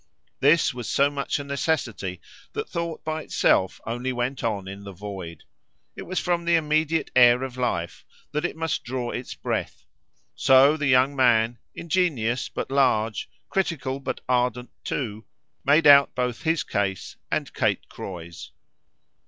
This was so much a necessity that thought by itself only went on in the void; it was from the immediate air of life that it must draw its breath. So the young man, ingenious but large, critical but ardent too, made out both his case and Kate Croy's.